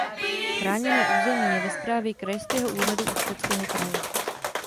Chráněné území je ve správě Krajského úřadu Ústeckého kraje.